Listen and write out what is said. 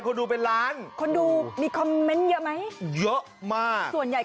ใครคอมเมนต์ว่า